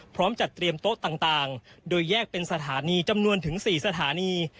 พร้อมจัดเตรียมโต๊ะต่างโดยแยกเป็นสถานีจำนวนถึง๔สถานี